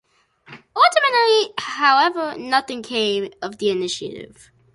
Ultimately, however, nothing came of the initiative.